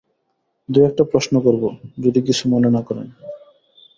দু-একটা প্রশ্ন করব, যদি কিছু মনে না করেন।